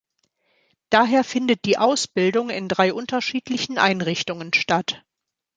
Daher findet die Ausbildung in drei unterschiedlichen Einrichtungen statt.